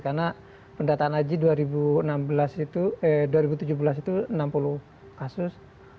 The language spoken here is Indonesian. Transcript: karena pendataan aji dua ribu tujuh belas itu enam puluh kasus